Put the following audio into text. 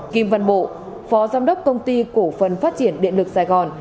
kim văn bộ phó giám đốc công ty cổ phần phát triển điện lực sài gòn